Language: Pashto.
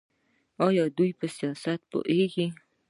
دوی په سیاست پوهیږي.